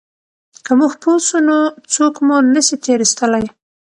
که موږ پوه سو نو څوک مو نه سي تېر ایستلای.